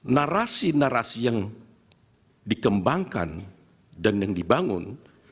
narasi narasi yang dikembangkan dan yang dibangun